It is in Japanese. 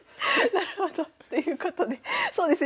なるほど。ということでそうですね